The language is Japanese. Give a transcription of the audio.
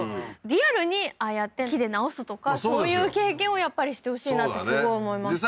リアルにああやって木で直すとかそういう経験をやっぱりしてほしいなってすごい思いました